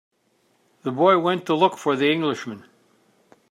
The boy went to look for the Englishman.